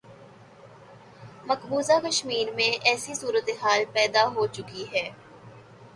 مقبوضہ کشمیر میں ایسی صورتحال پیدا ہو چکی ہے۔